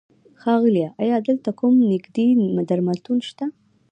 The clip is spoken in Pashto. ښاغيله! ايا دلته کوم نيږدې درملتون شته؟